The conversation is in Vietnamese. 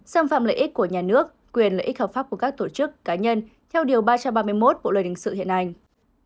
xâm phạm lợi ích của nhà nước quyền lợi ích hợp pháp của các tổ chức cá nhân theo điều ba trăm ba mươi một bộ luật hình sự hiện hành